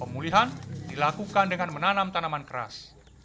pemulihan dilakukan dengan menanam tanaman keras